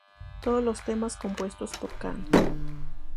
Todos los temas compuestos por Can